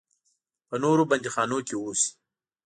په نورو بندیخانو کې اوسي.